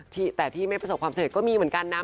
แต่ที่ไม่ประสบความสำเร็จก็มีเหมือนกันนะ